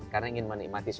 karena ingin menikmati